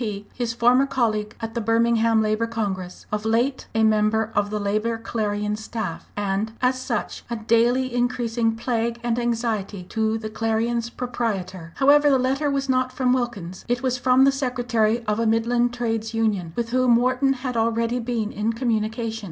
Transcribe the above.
P., his former colleague at the Birmingham Labour Congress, of late a member of the Labour Clarion staff, and as such a daily increasing plague and anxiety to the Clarion's proprietor. However, the letter was not from Wilkins. It was from the secretary of a Midland trades union, with whom Wharton had already been in communication.